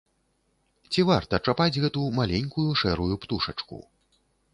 Ці варта чапаць гэту маленькую шэрую птушачку?